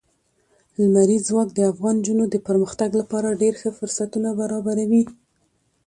لمریز ځواک د افغان نجونو د پرمختګ لپاره ډېر ښه فرصتونه برابروي.